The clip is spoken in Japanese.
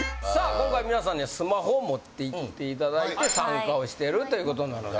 今回皆さんにはスマホを持ってきていただいて参加をしてるということなので。